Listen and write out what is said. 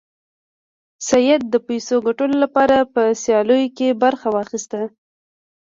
سید د پیسو ګټلو لپاره په سیالیو کې برخه واخیسته.